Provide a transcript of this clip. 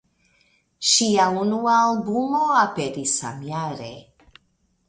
Ŝia unua albumo aperis samjare.